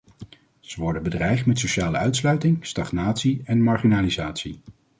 Ze worden bedreigd met sociale uitsluiting, stagnatie en marginalisatie.